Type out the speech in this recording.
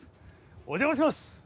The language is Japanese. お邪魔します！